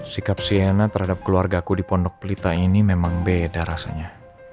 sikap sienna terhadap keluargaku di pondok pelita ini memang beda rasanya